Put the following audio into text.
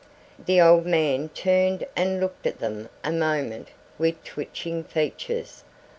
The old man turned and looked at them a moment with twitching features.